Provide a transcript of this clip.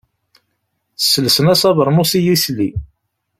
Sselsen-as abernus i yisli.